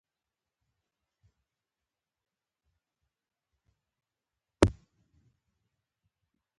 که احمدشاه ابدالي د یرغل کولو فیصله کړې.